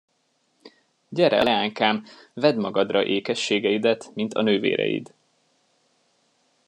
Gyere, leánykám, vedd magadra ékességeidet, mint a nővéreid.